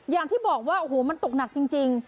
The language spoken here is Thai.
อย่างที่บอกว่าโอ้โหมันตกหนักจริง